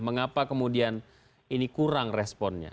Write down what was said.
mengapa kemudian ini kurang responnya